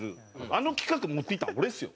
あの企画持っていったの俺ですよ。